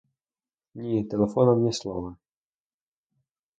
Ні, телефоном ні слова.